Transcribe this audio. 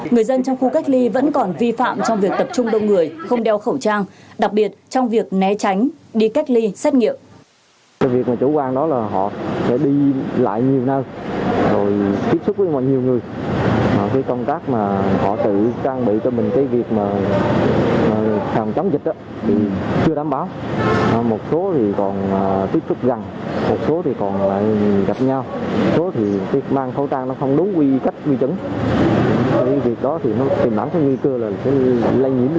người dân trong khu cách ly vẫn còn vi phạm trong việc tập trung đông người không đeo khẩu trang đặc biệt trong việc né tránh đi cách ly xét nghiệm